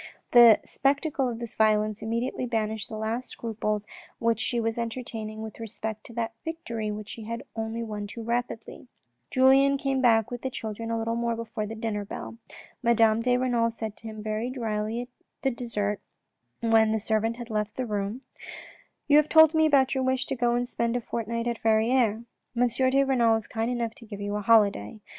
The spectacle of this violence immediately banished the last scruples which she was enter taining with respect to that victory which she had won only too rapidly. Julien came back with the children a little before the dinner bell. Madame de Renal said to him very drily at dessert when the servant had left the room :" You have told me about your wish to go and spend a fortnight at Verrieres. M. de Renal is kind enough to give you a holiday.